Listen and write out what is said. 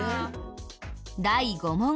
第５問。